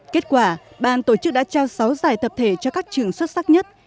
kết quả ban tổ chức đã trao sáu giải tập thể cho các trường xuất sắc nhất